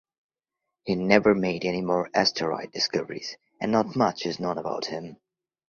He never made any more asteroid discoveries and not much is known about him.